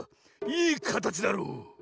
いいかたちだろう。